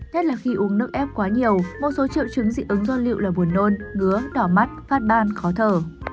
nhất là khi uống nước ép quá nhiều một số triệu chứng dị ứng nô lựu là buồn nôn ngứa đỏ mắt phát ban khó thở